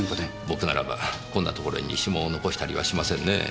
僕ならばこんなところに指紋を残したりはしませんねぇ。